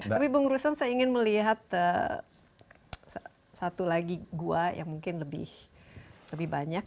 tapi bung ruslan saya ingin melihat satu lagi gua yang mungkin lebih banyak